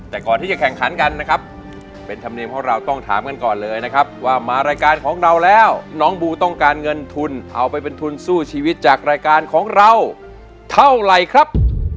แต่ก่อนที่จะแข่งขันกันนะครับเป็นธรรมเนียมของเราต้องถามกันก่อนเลยนะครับว่ามารายการของเราแล้วน้องบูต้องการเงินทุนเอาไปเป็นทุนสู้ชีวิตจากรายการของเราเท่าไหร่ครับ